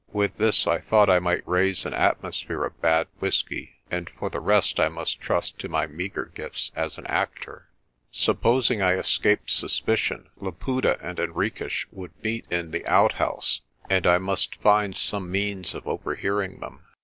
With this I thought I might raise an atmosphere of bad whisky, and for the rest I must trust to my meagre gifts as an actor. Supposing I escaped suspicion, Laputa and Henriques would meet in the outhouse and I must find some means of overhearing them.